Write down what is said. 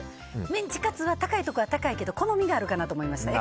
メンチカツは高いところは高いけど好みがあるかなと思いまして。